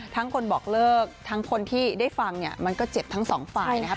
คนบอกเลิกทั้งคนที่ได้ฟังเนี่ยมันก็เจ็บทั้งสองฝ่ายนะครับ